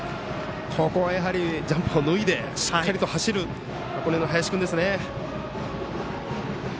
ここはジャンパーを脱いでしっかりと走る、林君ですね。